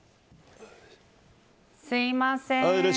すみません。